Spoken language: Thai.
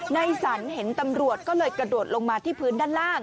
สันเห็นตำรวจก็เลยกระโดดลงมาที่พื้นด้านล่าง